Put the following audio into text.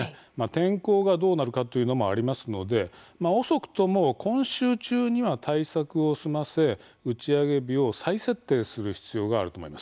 天候がどうなるかというのもありますので遅くとも今週中には対策を済ませ、打ち上げ日を再設定する必要があると思います。